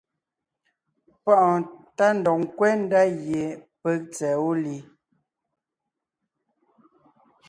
Páʼɔɔn tá ndɔg ńkwɛ́ ndá gie peg èe tsɛ̀ɛ wó li.